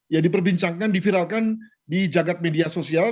ya diperbincangkan diviralkan di jagad media sosial